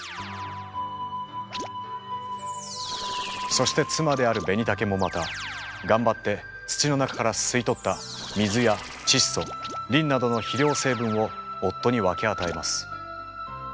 そして妻であるベニタケもまた頑張って土の中から吸い取った水や窒素リンなどの肥料成分を夫に分け与えます。